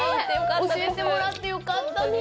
教えてもらってよかったね。